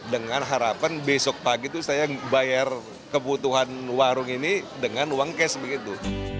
dengan harapan besok pagi itu saya bayar kebutuhan warung ini dengan uang cash begitu